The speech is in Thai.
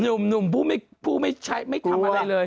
หนุ่มผู้ไม่ใช้ไม่ทำอะไรเลย